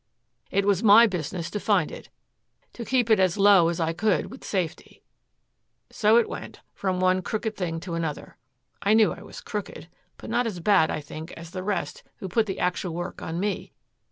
It was my business to find it, to keep it as low as I could with safety. So it went, from one crooked thing to another. I knew I was crooked, but not as bad, I think, as the rest who put the actual work on me.